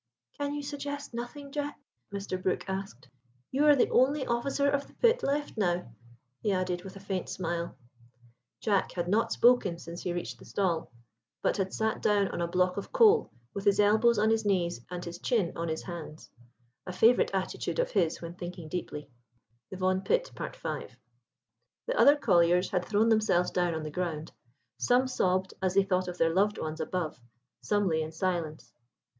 "Can you suggest nothing, Jack?" Mr. Brook asked. "You are the only officer of the pit left now," he added with a faint smile. Jack had not spoken since he reached the stall, but had sat down on a block of coal, with his elbows on his knees and his chin on his hands—a favourite attitude of his when thinking deeply. THE VAUGHAN PIT.—V. The other colliers had thrown themselves down on the ground; some sobbed as they thought of their loved ones above, some lay in silence.